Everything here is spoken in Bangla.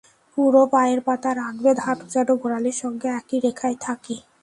পুরো পায়ের পাতা রাখবেন, হাঁটু যেন গোড়ালির সঙ্গে একই রেখায় থাকে।